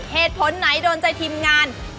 เหตุผลไหนโดนใจทีมงาน